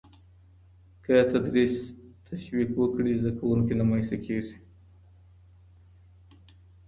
که تدریس تشویق وکړي، زده کوونکی نه مایوسه کېږي.